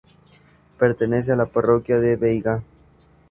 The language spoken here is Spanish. Pertenece a la parroquia de Veiga.